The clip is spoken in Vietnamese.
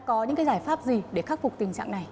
có những cái giải pháp gì để khắc phục tình trạng này